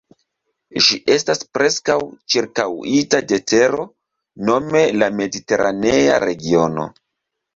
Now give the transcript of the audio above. Ĝi estas preskaŭ ĉirkaŭita de tero, nome la Mediteranea regiono.